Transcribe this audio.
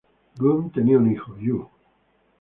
Gun tenía un hijo Yu.